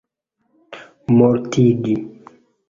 mortigi